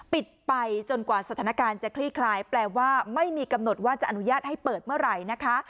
ปิดไปจนกว่าสถานการณ์จะคลี่คลายแปลว่าไม่มีกำหนดว่าจะอนุญาตให้เปิดเมื่อไหร่นะคะ